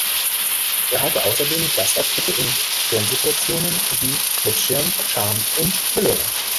Er hatte außerdem Gastauftritte in Fernsehproduktionen wie "Mit Schirm, Charme und Melone".